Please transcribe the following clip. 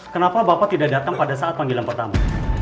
kenapa bapak tidak datang pada saat panggilan pertama